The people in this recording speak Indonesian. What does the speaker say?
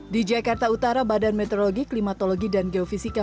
di jakarta utara badan meteorologi klimatologi dan geofisika